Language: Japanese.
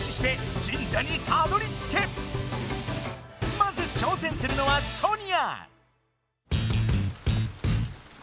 まず挑戦するのはソニア！